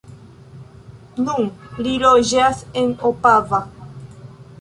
Nun li loĝas en Opava.